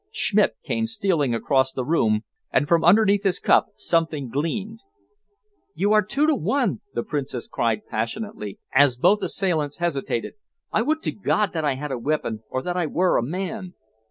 Schmidt came stealing across the room, and from underneath his cuff something gleamed. "You are two to one!" the Princess cried passionately, as both assailants hesitated. "I would to God that I had a weapon, or that I were a man!"